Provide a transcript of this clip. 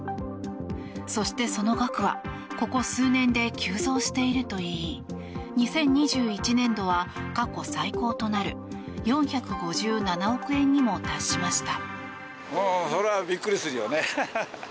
そして、その額はここ数年で急増しているといい２０２１年度は、過去最高となる４５７億円にも達しました。